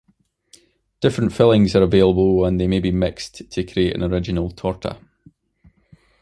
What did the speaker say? Different fillings are available and they may be mixed to create an original "torta".